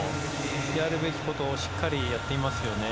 やるべきことをしっかりやっていますよね。